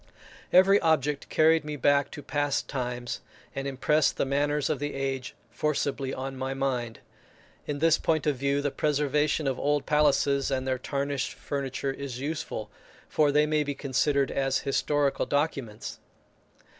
Every object carried me back to past times, and impressed the manners of the age forcibly on my mind. In this point of view the preservation of old palaces and their tarnished furniture is useful, for they may be considered as historical documents.